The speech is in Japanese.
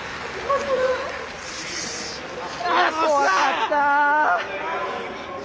怖かった！